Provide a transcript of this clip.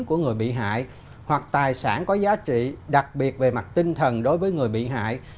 của người bị hại hoặc tài sản có giá trị đặc biệt về mặt tinh thần đối với người bị hại